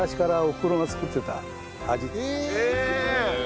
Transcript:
へえ！